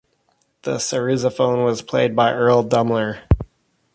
The sarrusophone was played by Earl Dumler.